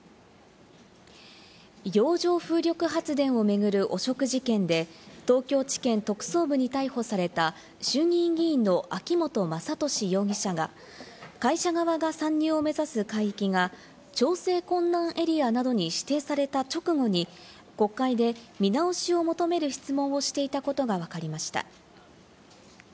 洋上風力発電を巡る汚職事件で東京地検特捜部に逮捕された衆議院議員の秋本真利容疑者が会社側が参入を目指す海域が調整困難エリアなどに指定された直後に国会で見直しを求める質問をしていたことがわかりました。